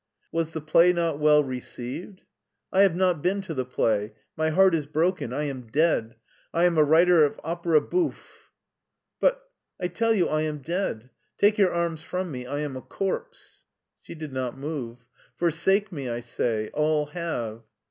" Was the play not well received ?"" I have not been to the play. My heart is broken : I am dead : I am a writer of opira bouffe/' "But "" I tell you I am dead. Take jrour arms from me : I am a corpse." She did not move. " Forsake me, I say : all have."